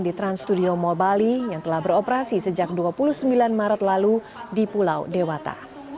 di trans studio mall bali yang telah beroperasi sejak dua puluh sembilan maret lalu di pulau dewata